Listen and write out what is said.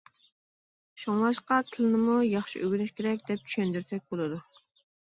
شۇڭلاشقا تىلنىمۇ ياخشى ئۆگىنىش كېرەك دەپ چۈشەندۈرسەك بولىدۇ.